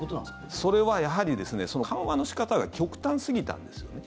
それはやはり緩和の仕方が極端すぎたんですよね。